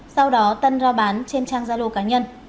sau đó tân rao bán trên trang gia lô cá nhân